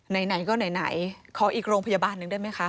ไหนก็ไหนขออีกโรงพยาบาลหนึ่งได้ไหมคะ